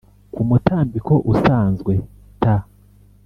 kumutambiko usanzwe T